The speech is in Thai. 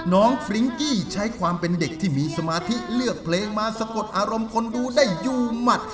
ฟริ้งกี้ใช้ความเป็นเด็กที่มีสมาธิเลือกเพลงมาสะกดอารมณ์คนดูได้อยู่หมัด